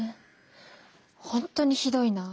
本当にひどいなあ！